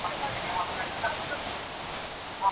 بیا به ګورو چي ستانه سي پخواني زاړه وختونه !.